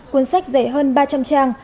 cuốn sách dày hơn ba trăm linh trang